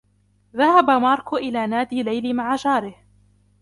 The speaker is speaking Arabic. ذهب ماركو الي نادي ليلي مع جاره